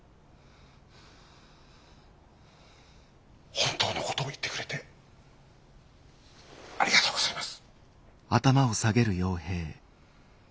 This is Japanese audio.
本当のことを言ってくれてありがとうございます。